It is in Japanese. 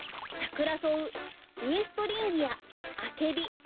サクラソウウエストリンギアアケビ。